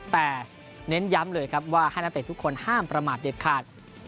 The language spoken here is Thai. แต่เน้นย้ำเลยครับว่าให้นักเตะทุกคนห้ามประมาทเด็ดขาด